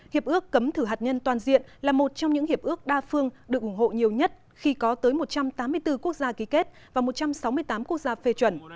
hiệp ước cấm thử hạt nhân toàn diện là một trong những hiệp ước đa phương được ủng hộ nhiều nhất khi có tới một trăm tám mươi bốn quốc gia ký kết và một trăm sáu mươi tám quốc gia phê chuẩn